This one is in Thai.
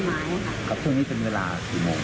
ก็เลยเค็มเพื่อนค่ะถามว่าเขาไม่ได้บอก